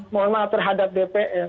mohon maaf terhadap bpn